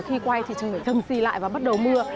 khi quay thì chẳng phải thừng xì lại và bắt đầu mưa